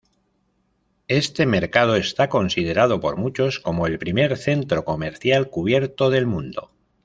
Este mercado está considerado por muchos como el primer centro comercial cubierto del mundo.